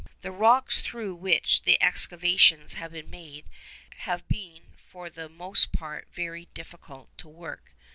The rocks through which the excavations have been made have been for the most part very difficult to work.